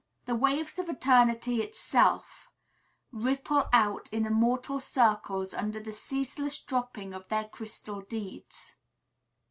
The waves of eternity itself ripple out in immortal circles under the ceaseless dropping of their crystal deeds.